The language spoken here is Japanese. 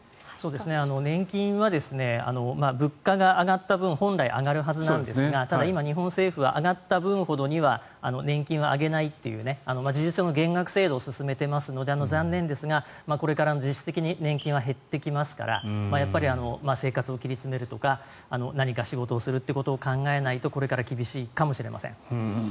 年金は物価が上がった分本来、上がるはずなんですがただ、今、日本政府は上がった分ほどには年金は上げないという事実上の減額制度を進めていますので残念ですがこれから実質的に年金は減っていきますから生活を切り詰めるとか何か仕事をするということを考えないとこれから厳しいかもしれません。